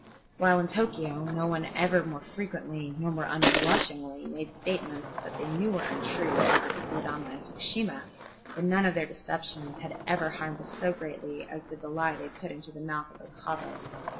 While in Tokio no one ever more frequently, nor more unblushingly, made statements that they knew were untrue than did Kodama and Fukushima, but none of their deceptions had ever harmed us so greatly as did the lie they put into the mouth of Okabe.